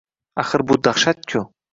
Axir bu dahshat-ku